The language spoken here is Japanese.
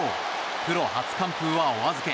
プロ初完封はお預け。